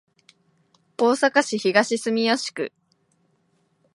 大阪市東住吉区